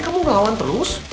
kamu ngelawan terus